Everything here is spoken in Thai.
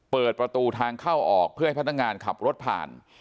เปิดประตูทางเข้าออกเพื่อให้พนักงานขับรถผ่าน